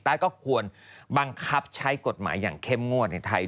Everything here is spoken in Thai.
ก็ควรบังคับใช้กฎหมายอย่างเข้มงวดในไทย